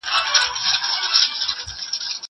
نان د زهشوم له خوا خوړل کيږي!!